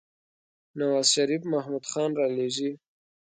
نوازشريف محمود خان رالېږي.